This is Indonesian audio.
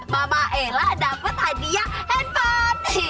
mama ella dapet hadiah handphone